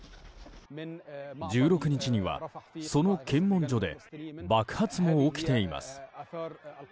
１６日にはその検問所で爆発も起きています。